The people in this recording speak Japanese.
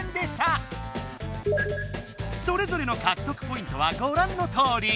それぞれのかくとくポイントはごらんのとおり。